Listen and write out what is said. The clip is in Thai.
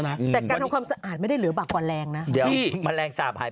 แต่การทำความสะอาดไม่ได้เหลือบากว่าแรงนะ